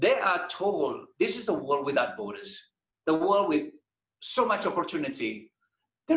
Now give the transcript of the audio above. mereka dikatakan ini adalah dunia tanpa batasan dunia dengan banyak kesempatan